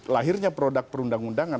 lahirnya produk perundang undangan